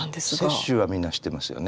雪舟はみんな知ってますよね。